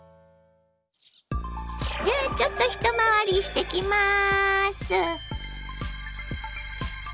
じゃあちょっと一回りしてきます。